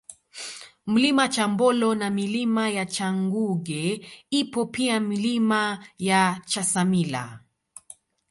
Mlima Chambolo na Milima ya Changuge ipo pia Milima ya Chasamila